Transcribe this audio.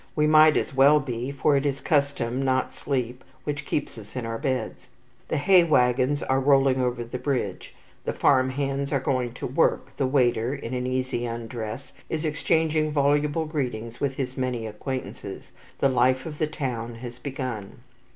We might as well be, for it is custom, not sleep, which keeps us in our beds. The hay wagons are rolling over the bridge, the farmhands are going to work, the waiter, in an easy undress, is exchanging voluble greetings with his many acquaintances, the life of the town has begun.